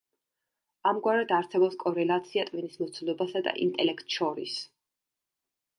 ამგვარად, არსებობს კორელაცია ტვინის მოცულობასა და ინტელექტს შორის.